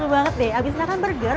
abis makan burger kita bisa makan burger